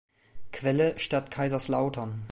Quelle: Stadt Kaiserslautern